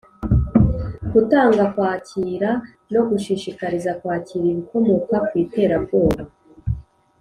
gutanga, kwakira no gushishikariza kwakira ibikomoka ku iterabwoba